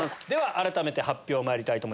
改めて発表まいりたいと思います。